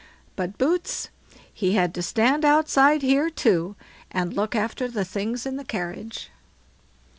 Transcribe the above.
But Boots, he had to stand outside here too, and look after the things in the carriage.